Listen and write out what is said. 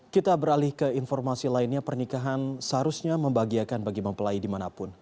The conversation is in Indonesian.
kita beralih ke informasi lainnya pernikahan seharusnya membahagiakan bagi mempelai dimanapun